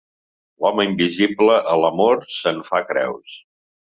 L'home invisible a l'amor se'n fa creus.